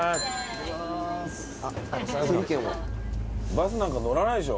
バスなんか乗らないでしょ？